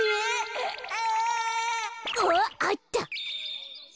あっあった！